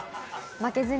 負けずに。